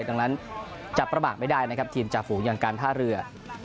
ดังนั้นจับประมาทไม่ได้นะครับทีมจ่าฝูงอย่างการท่าเรือ